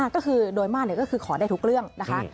ก็คือโดยมากก็คือขอได้ทุกเรื่องนะคะ